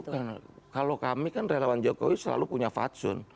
bukan kalau kami kan relawan jokowi selalu punya fatsun